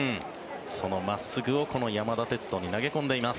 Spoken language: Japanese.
その真っすぐをこの山田哲人に投げ込んでいます。